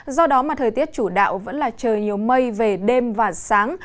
do đó mà thời tiết chủ đạo vẫn là trời nhiều mây về đêm và sáng